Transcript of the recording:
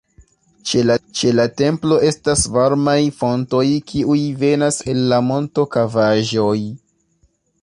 Ĉe la templo estas varmaj fontoj kiuj venas el la montokavaĵoj.